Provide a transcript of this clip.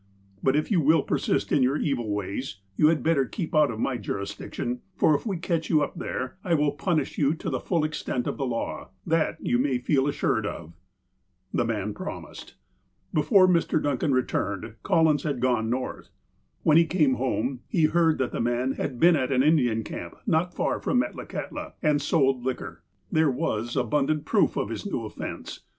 But, if you will persist in your evil ways, you had better keep out of my jurisdiction, for if we catch you up there, I will punish you to the full extent of the law, that you may feel assured of." The man promised. Before Mr. Duncan returned, Collins had gone North. When he came home, he heard that the man had been at an Indian camp, not far from Metlakahtla, and sold liquor. There was abundant proof of this new offence.